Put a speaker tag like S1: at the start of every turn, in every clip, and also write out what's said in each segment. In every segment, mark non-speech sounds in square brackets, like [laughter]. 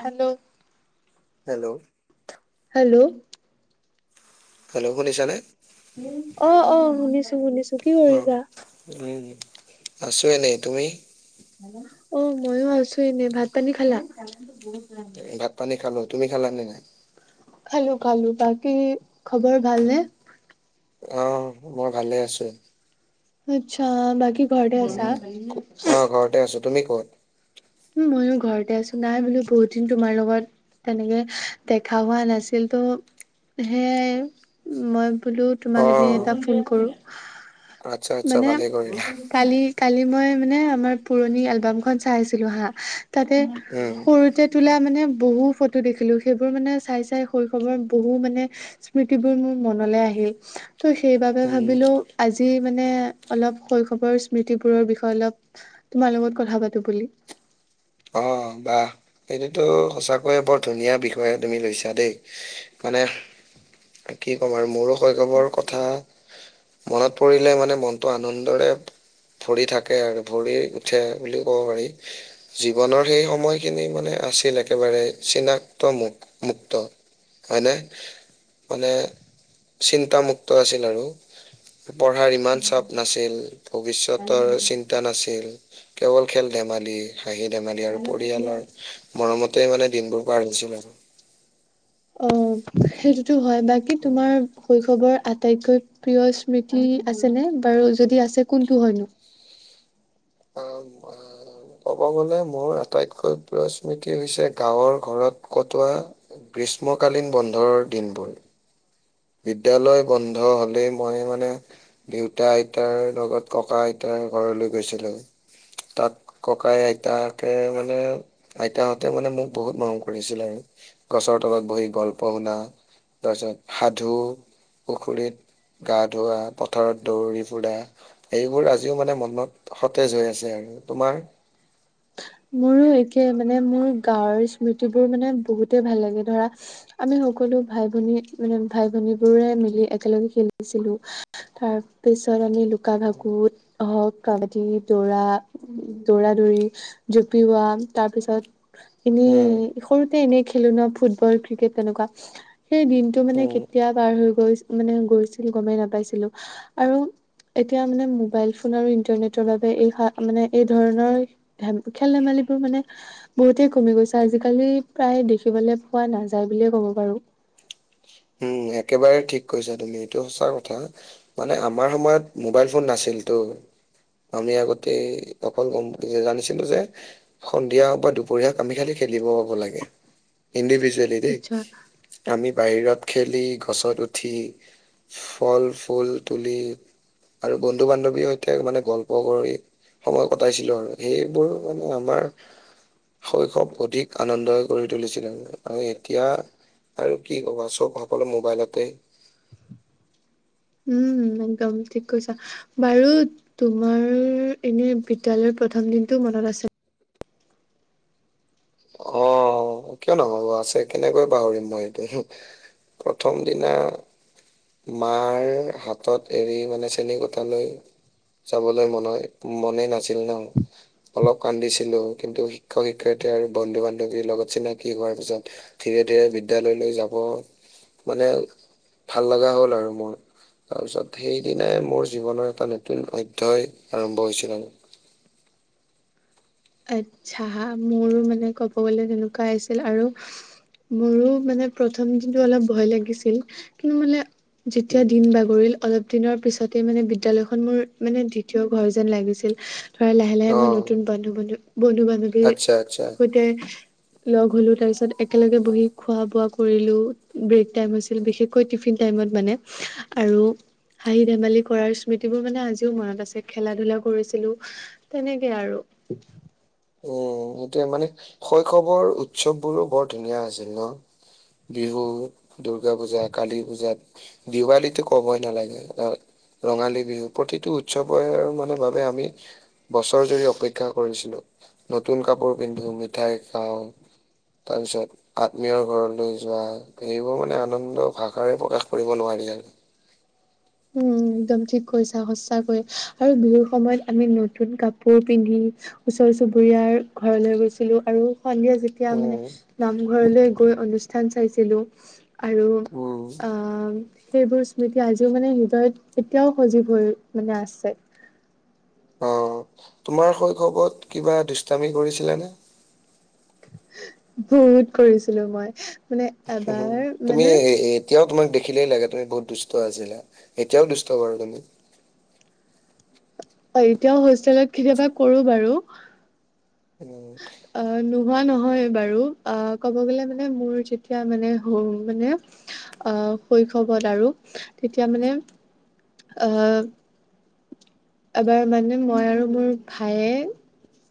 S1: Hello!
S2: Hello!
S1: Hello!
S2: Hello শুনিছা নে?
S1: অ', - অ', শুনিছো, শুনিছো কি
S2: অ'
S1: কৰিছা?
S2: উম আছো এনেই তুমি?
S1: অ', মইও আছো এনে। ভাত-পানী খালা?
S2: ভাত-পানী খালোঁ তুমি খালা নে নাই?
S1: খালোঁ-খালোঁ। বাকী খবৰ ভালনে?
S2: অ', মই ভালেই আছো।
S1: আচ্ছা বাকী ঘৰতে আছা
S2: অ', ঘ ঘৰতে আছো, তুমি ক'ত?
S1: উম, ময়ো ঘৰতে আছো নাই বোলো বহুত দিন তোমাৰ লগত তেনেকে দেখা হোৱা নাছিল তো, সেয়াই মই বোলো
S2: অ'
S1: তোমালেকে এটা ফোন কৰোঁ।
S2: আচ্ছা আচ্ছা
S1: মানে
S2: ভালেই কৰিলা।
S1: কালি-কালি মই মানে আমাৰ পুৰণি এলবামখন চাই আছিলোঁ হা তাতে
S2: উম,
S1: সৰুতে তোলা মানে বহু ফটো দেখিলো। সেইবোৰ মানে চাই-চাই শৈশৱৰ বহু মানে স্মৃতিবোৰ মোৰ মনলৈ আহিল। ত' সেইবাবে
S2: উম।
S1: ভাবিলো আজি মানে অলপ শৈশৱৰ স্মৃতিবোৰৰ বিষয়ে অলপ তোমাৰ লগত কথা পাতো বুলি।
S2: অ', বাহ। এইটোতো সঁচাকৈয়ে বৰ ধুনীয়া বিষয়ে তুমি লৈছা দেই। মানে, কি ক'ম আৰু! মোৰো শৈশৱৰ কথা মনত পৰিলে মানে মনটো আনন্দৰে ভৰি থাকে আৰু ভৰি উঠে বুলিও ক'ব পাৰি। জীৱনত সেই সময়খিনি মানে আছিল একেবাৰে চিনাক্ত মু, মুক্ত। হয়নে? মানে চিন্তামুক্ত আছিল আৰু! পঢ়াৰ ইমান চাপ নাছিল। ভৱিষ্যতৰ চিন্ তা নাছিল। কেৱল খেল-ধেমালি, হাঁহি-ধেমালি আৰু পৰিয়ালৰ মৰমতেই মানে দিনবোৰ পাৰ হৈছিল আৰু!
S1: অ', সেইটোতো হয়। বাকী, তোমাৰ শৈশৱৰ আ আটাইতকৈ প্ৰিয় স্মৃতি আছেনে? বাৰু যদি আছে, কোনটো হয়নো?
S2: অ', অ',। ক'ব গলে মোৰ আটাইতকৈ প্ৰিয় স্মৃতি হৈছে গাঁৱৰ ঘৰত কটোৱা গ্ৰীষ্মকালীন বন্ধৰ দিনবোৰ। বিদ্যয়ালয় বন্ধ হলে মই মানে দেউতা আইতাৰ লগত ককা আইতাৰ ঘৰলৈ গৈছিলো। তাক ককাই আইতাকে মানে আইতাহঁতে মানে মোক বহুত মৰম কৰিছিল আৰু গছৰ তলত বহি গল্প শুনা তাৰপিছত সাধু পুখুৰীত গা ধোৱা পথাৰত দৌৰি ফুৰা এইবোৰ আজিও মানে মনত সতেজ হৈ আছে আৰু তোমাৰ
S1: মোৰো একে মানে মোৰ গাঁৱৰ স্মৃতিবোৰ মানে বহুতে ভাল লাগে ধৰা আমি সকলো ভাই ভনী মানে ভাই ভনীবোৰে মিলি একেলগে খেলিছিলো তাৰপিছত আমি লুকা ভাকুত হক কাবাডী দৌৰা দৌৰা দৌৰি জুপিওৱা তাৰ পিছত এনেই
S2: উম
S1: সৰু এনে খেলো ন ফুটবল ক্ৰিকেট তেনেকুৱা সেই দিনটো মানে
S2: উম
S1: কেতিয়া পাৰ হৈ গৈ মানে গৈছিল গমেই নাপাইছিলো আৰু এতিয়া মানে মোবাইল ফোন আৰু ইন্টাৰনেটৰ বাবে এই মানে এই ধৰণৰ খেল ধেমালিবোৰ মানে বহুতেই কমি গৈছে আজিকালি প্ৰায় দেখিবলৈ পোৱা নাযায় বুলিয়ে ক'ব পাৰো
S2: উম একেবাৰে ঠিক কৈছা তুমি এইটো সঁচা কথা মানে আমাৰ সময়ত মোবাইল ফোন নাছিল তো আমি আগতে অকল গম জানিছিলো যে সন্ধিয়া হওক বা দুপৰীয়া হওক আমি খালি খেলিব পাব লাগে ইণ্ডিভিজুৱেল দেই দেই
S1: আচ্ছা
S2: আমি বাহিৰত খেলি গছত উঠি ফল ফুল তুলি আৰু বন্ধু বান্ধৱীৰ সৈতে মানে গল্প কৰি সময় কটাইছিলো আৰু সেইবোৰ মানে আমাৰ শৈশৱ অধিক আনন্দই কৰি তুলিছিলে আৰু এতিয়া আৰু কি ক'বা চব সকলো মোবাইলতে।
S1: উম একদম ঠিক কৈছা। বাৰু তোমাৰ এনে বিদ্যালয় প্ৰথম দিনটো মনত আছে?
S2: অ' কিয় নহব আছে কেনেকৈ পাহৰিম মই এইটো। প্ৰথম দিনা মাৰ হাতত এৰি মানে চেনী কোটালৈ যাবলৈ মন মনেই নাছিল ন'। অলপ কান্দিছিলো কিন্তু শিক্ষক শিক্ষয়িত্ৰী আৰু বন্ধু বান্ধৱীৰ লগত চিনাকি হোৱাৰ পিছত ধীৰে ধীৰে বিদ্যালয়লৈ যাব। মানে ভাল লগা হ'ল আৰু মোৰ। তাৰপিছত সেইদিনাই মোৰ জীৱনৰ এটা নতুন অধ্যয় আৰম্ভ হৈছিল আৰু।
S1: আচ্ছা মোৰো মানে ক'ব গলে তেনেকুৱা আছিল আৰু। মোৰো মানে প্ৰথম দিনটো অলপ ভয় লাগিছিল কিন্তু মানে যেতিয়া দিন বাগৰিল অলপ দিনৰ পিছতে মানে বিদ্যালয়খন মোৰ মানে দ্বিতীয় ঘৰ যেন লাগিছিল। ধৰা লাহে লাহে
S2: অ
S1: মমই নতুন বান্ধু বানধু বন্ধু বান্ধৱীৰ
S2: আচ্ছা আচ্ছা
S1: সৈতে লগ হলো তাৰ পিছত একেলগে বহি খোৱা বোৱা কৰিলো ব্ৰেক টাইম হৈছিল বিশেষকৈ টিফিন টাইমত মানে আৰু হাঁহি ধেমালি কৰাৰ স্মৃতিবোৰ মানে আজিও মনত আছে খেলা ধূলা কৰিছিলো। তেনেকে আৰু। িক [inaudible]
S2: উম সেইটোৱে মানে শৈশৱৰ উৎসৱ বোৰো বৰ ধুনীয়া আছিল ন'। বিহু, দূৰ্গা পূজা, কালী পূজাত। দিৱালীটো ক'বই নালাগে অ'। ৰঙালী বিহু প্ৰতিটো উৎসৱৰ মানে বাবে আমি বছৰ জুৰি অপেক্ষা কৰিছিলো, নতুন কাপোৰ পিন্ধো মিঠাই খাওঁ। তাৰপিছত আত্মীয়ৰ ঘৰলৈ যোৱা সেইবোৰ মানে আনন্দ ভাষাৰে প্ৰকাশ কৰিব নোৱাৰি আৰু।
S1: উম, একদম ঠিক কৰিছা সচাকৈ আৰু বিহুৰ সময়ত আমি নতুন কাপোৰ পিন্ধি ওচৰ চুবুৰীয়াৰ ঘৰলৈ গৈছিলো আৰু সন্ধিয়া এতিয়া মানে
S2: উম,
S1: নামঘৰলৈ গৈ অনুষ্ঠান চাইছিলো। আৰু
S2: উম,
S1: অ', সেইবোৰ স্মৃতি আজি মানে হৃদয়ত এতিয়াও সজীৱ হৈ মানে আছে।
S2: অ', তোমাৰ শৈশৱত কিবা দুষ্টামি কৰিছিলে নে?
S1: বহুত কৰিছিলো মই মানে এবাৰ
S2: তুমি
S1: মানে
S2: এ- এতিয়াও তোমাক দেখিলেই লাগে তুমি বহুত দুষ্ট আছিলা এতিয়াও দুষ্ট বাৰু তুমি।
S1: অ', এতিয়াও হোষ্টেলত কেতিয়াবা কৰো বাৰু।
S2: উম।
S1: অ', নোহোৱা নহয় বাৰু অ ক'ব গলে মানে মোৰ যেতিয়া মানে হ মানে আহ শৈশৱত আৰু তেতিয়া মানে আহ এবাৰ মানে মই আৰু মোৰ ভায়ে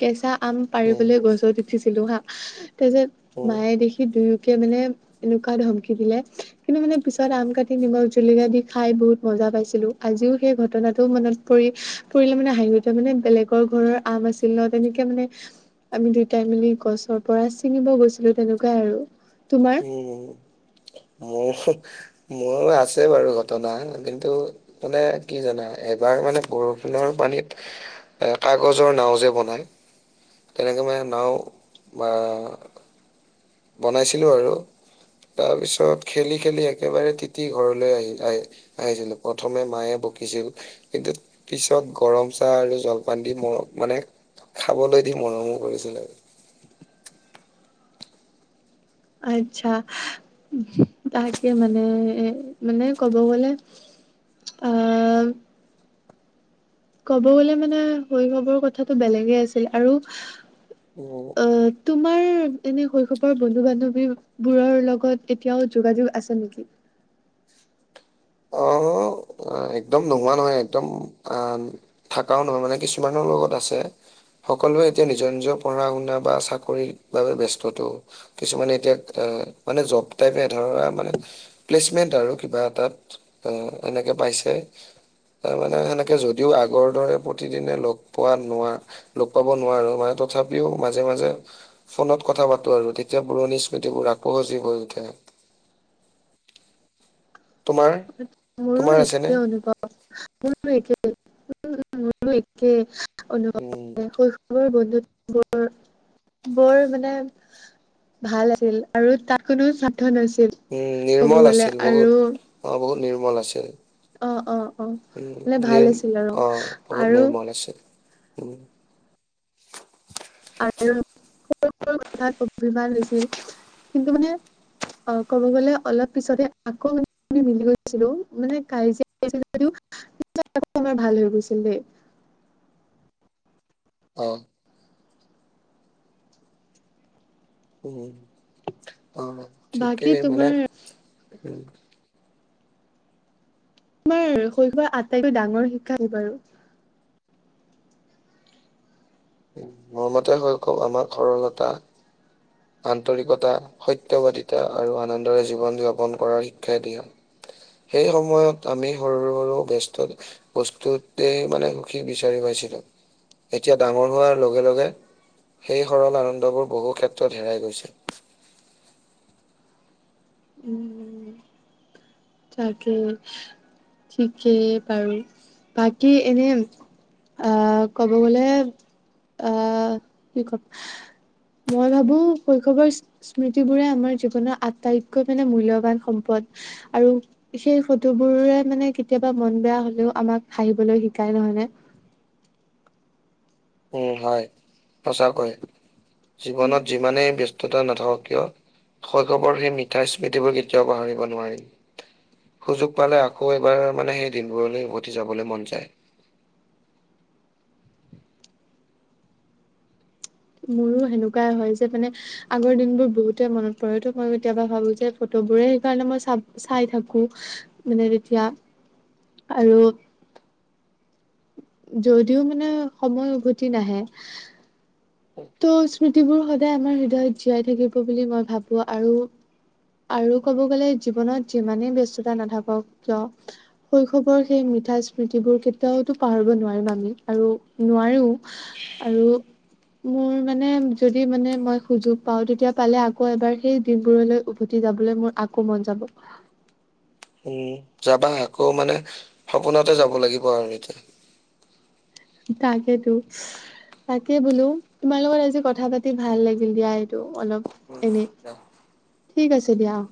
S1: কেঁচা আম
S2: উম,
S1: পাৰিবলৈ গছত উঠিছিলো হা তাৰপিছত
S2: উম।
S1: মায়ে দেখি দুই মানে এনেকুৱা ধমকি দিলে কিন্তু মানে পিছত আম কাটি নিমখ জলকীয়া দি খাই বহুত মজা পাইছিলো আজিও সেই ঘটনাটো মানে পৰি পৰিলে মানে হাঁহি উঠয়া মানে বেলেগৰ ঘৰৰ আম আছিল ন' তেনেকে মানে। আমি দুয়টাই মেলি গছৰ পৰা ছিঙিব গৈছিলো তেনেকুৱাই আৰু তোমাৰ।
S2: উম, মোৰ মোৰ আছে বাৰু ঘটনা কিন্তু। মানে কি জানা এবাৰ মানে বৰষুণৰ পানীত। এ কাগজৰ নাও যে বনায় তেনেকে মানে নাও বা। বনাইছিলো আৰু তাৰপিছত খেলি খেলি একেবাৰে তিতি ঘৰলৈ আহি আহে। আহিছিলো প্ৰথমে মায়ে বকিছিল। কিন্তু পিছত গৰম চাহ আৰু জলপান দি মোৰ মানে। খাবলৈ দি মৰমো কৰিছিল আৰু।
S1: আচ্ছা তাকে মানে মানে ক'ব গ'লে। অ'। ক'ব গ'লে মানে শৈশৱৰ কথাাতটো বেলেগে আছিল আৰু।
S2: উম।
S1: অ', তোমাৰ। এ এনে শৈশৱৰ বন্ধু বান্ধৱী বোৰৰ লগত এতিয়াও যোগাযোগ আছে নেকি?
S2: অ'। অ', একদম নোহোৱা নহয় একদম অ' থাকাও নহয় মানে কিছুমানৰ লগত আছে। সকলোৱে এতিয়া নিজৰ নিজৰ পঢ়া শুনা বা চাকৰিৰ বাবে ব্যস্তত। কিছুমানে এতিয়া অ মানে জব টাইপ এ ধৰা মানে। প্লেচমেন্ট আৰু কিবা এটাত এনেকে পাইছে। তাৰ মানে সেনেকে যদিও আগৰ দৰে প্ৰতিদিনে লগ পোৱা নোৱা। লগ পাব নোৱাৰো মানে তথাপিও মাজে মাজে। ফোনত কথা পাতো আৰু তেতিয়া পুৰণি স্মৃতিবোৰ আকৌ সজীৱ হৈ উঠে।
S1: [inaudible]
S2: তোমাৰ।
S1: মোৰো
S2: তোমাৰ আছেনে?
S1: এতিয়া অনুভৱ মোৰ। মোৰ একে
S2: উম।
S1: অনুভৱ শৈশৱৰ বন্ধুত্ব। বৰ বৰ মানে। ভাল আছিল আৰু তাত কোনো স্বাৰ্থ নাছিল।
S2: উম,
S1: ক'ব
S2: নিৰ্মল
S1: গ'লে
S2: আছিল
S1: আৰু
S2: বহুত অ বহুত নিৰ্মল আছিল।
S1: অ অ অ
S2: উম,
S1: মানে
S2: নি
S1: ভাল আছিল আৰু
S2: অ', বহুত
S1: আৰু
S2: নিৰ্মল আছিল।
S1: আৰু সৰু সৰু কথাত অভিমানমান হৈছিল কিন্তু মানে। অ ক'ব গ'লে অলপ পিছতে আকৌ ম। আমি মিলি গৈছিলো মানে কিয়া যদিও আমাৰ ভাল হৈ গৈছিল দেই।
S2: অ। উম অ
S1: বাকী
S2: ঠিকেই মানে
S1: তোমাৰ
S2: উম।
S1: তোমাৰ শৈশৱৰ আটাইতকৈ ডাঙৰ শিক্ষা কিবাৰু।
S2: উ মোৰ মতে হৈ কওক আমাৰ সৰলতা। আন্তৰিকতা সত বাদিতা আৰু আনন্দৰে জীৱন যাপন কৰাৰ শিক্ষাই দিয়া। সেই সময়ত আমি সৰু সৰু বেস্ত। বস্তুতেই মানে সুখী বিচাৰি পাইছিলো এতিয়া ডাঙৰ হোৱাৰ লগে লগে। সেই সৰল আনন্দবোৰ বহু ক্ষেত্ৰত হেৰাই গৈছিল।
S1: উম উম। তাকে ঠিকেই বাৰু বাকী এনে। আহ ক'ব গ'লে আহ কি কম। মই ভাবো শৈশৱৰ। স্মৃতি বোৰে আমাৰ জীৱনৰ আটাইতকৈ মানে মূল্যবান সম্পদ। আৰু সেই ফটোবোৰে মানে কেতিয়াবা মন বেয়া হলেও আমাক হাঁহিবলৈ শিকাই নহয় নে।
S2: উম হয় সঁচাকৈ জীৱনত যিমানেই ব্যস্ততা নাথাকক কিয়। শৈশৱৰ সেই মিঠা স্মৃতিবোৰ কেতিয়াও পাহৰিব নোৱাৰি। সুযোগ পালে আকৌ এইবাৰ মানে সেই দিনবোৰলৈ উভতি যাবলৈ মন যায়।
S1: মোৰো সেনেকুৱাই হয় যে মানে। আগৰ দিনবোৰ বহুতে মনত পৰেতো মই কেতিয়াবা ভাবো যে ফটোবোৰে সেইকাৰণে মই চাব। চাই থাকো মানে তেতিয়া আৰু। যদিও মানে সময় উভতি নাহে। ত' স্মৃতিবোৰ সদায় আমাৰ হৃদয়ত জীয়াই থাকিব বুলি মই ভাবো আৰু। আৰু ক'ব গ'লে জীৱনত যিমানেই ব্যস্ততা নাথাকক কিয়। শৈশৱৰ সেই মিঠা স্মৃতিবোৰ কেতিয়াওতো পাহৰিব নোৱাৰিম আমি আৰু নোৱাৰিও। আৰু। মোৰ মা। মানে যদি মানে মই সুযোগ পাওঁ তেতিয়া পালে আকৌ এবাৰ সেই দিনবোৰলৈ উভতি যাবলৈ মোৰ। কোমন যাব।
S2: উম, যাবা আকৌ মানে সপোনতে যাব লাগিব আৰু এতিয়া।
S1: তাকেতো। তাকে বোলো তোমাৰ লগত আজি কথা পাতি ভাল লাগিল দিয়া এইটো অলপ। এনেই
S2: এতিয়া।
S1: ঠিক আছে দিয়া হ'ব।